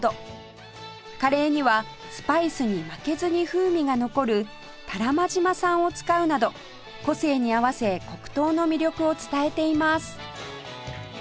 カレーにはスパイスに負けずに風味が残る多良間島産を使うなど個性に合わせ黒糖の魅力を伝えています